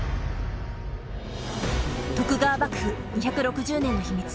徳川幕府２６０年の秘密。